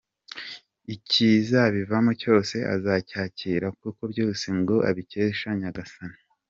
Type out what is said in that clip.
Ikizabivamo cyose azacyakira kuko byose ngo abikesha nyagasani.